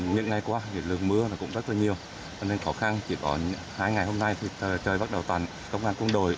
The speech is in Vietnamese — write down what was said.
những ngày qua lực lượng mưa cũng rất nhiều nên khó khăn chỉ có hai ngày hôm nay trời bắt đầu toàn công an quân đội